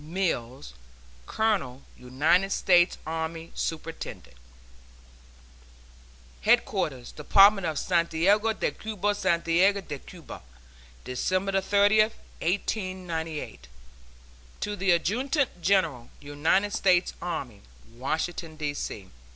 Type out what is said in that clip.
MILLS, Colonel United States Army, Superintendent. HEADQUARTERS DEPARTMENT OF SANTIAGO DE CUBA, SANTIAGO DE CUBA, December 30, 1898. TO THE ADJUTANT GENERAL, UNITED STATES ARMY, Washington, D. C.